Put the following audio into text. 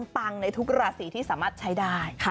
ปังในทุกราศีที่สามารถใช้ได้